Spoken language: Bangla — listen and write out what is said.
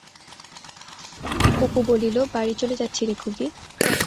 অপু বলিল, বাড়ি চলে যাচ্ছি রে খুকি।